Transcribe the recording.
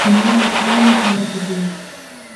مور او پلار یې هلته دي.